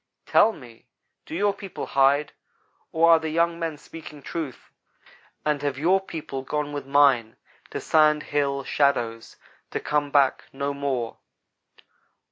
Tell me, do your people hide. or are the young men speaking truth, and have your people gone with mine to Sand Hill shadows to come back no more?"